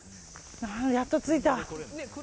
やっと着いた。